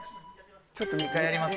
ちょっと１回やりますね。